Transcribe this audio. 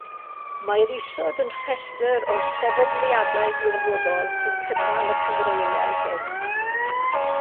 Mae'r isod yn rhestr o'r sefydliadau gwirfoddol sy'n cynnal y cynghreiriau hyn.